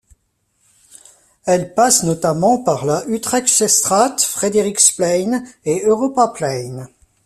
Elle passe notamment par la Utrechtsestraat, Frederiksplein et Europaplein.